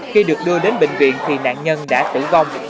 khi được đưa đến bệnh viện thì nạn nhân đã tử vong